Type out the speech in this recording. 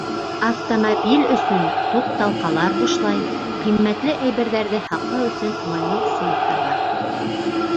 Автомобиль өсөн туҡталҡалар бушлай, ҡиммәтле әйберҙәрҙе һаҡлау өсөн уңайлы сейфтар бар.